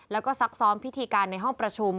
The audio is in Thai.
แล้วก็ซักซ้อมพิธีการในห้องประชุม